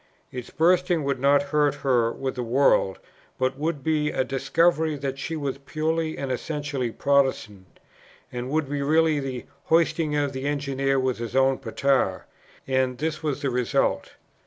Its bursting would not hurt her with the world, but would be a discovery that she was purely and essentially Protestant, and would be really the "hoisting of the engineer with his own petar." And this was the result.